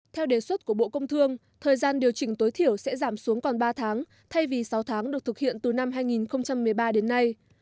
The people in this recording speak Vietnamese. theo đề xuất của bộ công thương thời gian điều chỉnh tối thiểu sẽ giảm xuống còn ba tháng thay vì sáu tháng được thực hiện từ năm hai nghìn một mươi ba đến nay